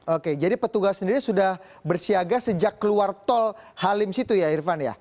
oke jadi petugas sendiri sudah bersiaga sejak keluar tol halim situ ya irfan ya